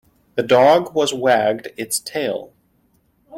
The dog was wagged its tail.